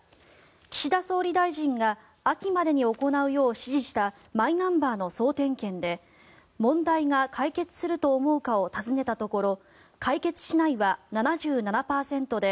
岸田総理大臣が秋までに行うよう指示したマイナンバーの総点検で問題が解決すると思うかを尋ねたところ解決しないは７７％で